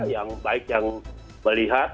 yang baik yang melihat